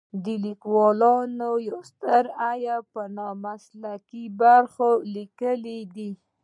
د لیکوالو یو ستر عیب په نامسلکي برخو لیکل دي.